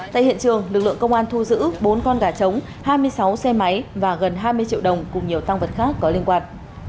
tại hiện trường lực lượng công an thu giữ bốn con gà trống hai mươi sáu xe máy và gần hai mươi triệu đồng cùng nhiều tăng vật khác có liên quan